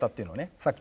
さっき。